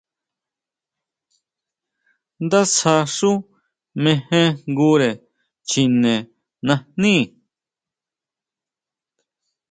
Ndásja xú mejenjngure chine najní.